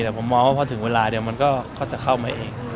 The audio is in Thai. แต่ผมมองว่าพอถึงเวลาเดี๋ยวมันก็จะเข้ามาเอง